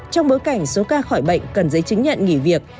trong bối cảnh số ca khỏi bệnh cần giấy chứng nhận nghỉ việc